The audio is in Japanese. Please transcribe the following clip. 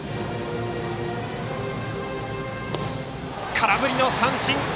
空振り三振！